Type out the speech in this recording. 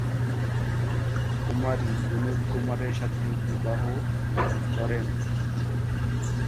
কুমারী বিনোদ কুমারের সাথে বিবাহ করেন।